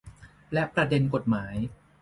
และประเด็นกฎหมาย